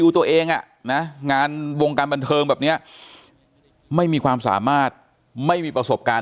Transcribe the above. ตัวเองอ่ะนะงานวงการบันเทิงแบบนี้ไม่มีความสามารถไม่มีประสบการณ์